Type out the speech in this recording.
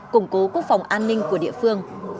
củng cố quốc phòng an ninh của địa phương